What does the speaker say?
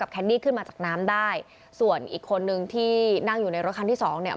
แคนดี้ขึ้นมาจากน้ำได้ส่วนอีกคนนึงที่นั่งอยู่ในรถคันที่สองเนี่ย